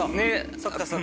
そっかそっか。